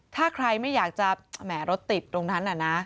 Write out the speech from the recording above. ถ้าใครไม่อยากจะแหมรถติดตรงนั้นน่ะนะ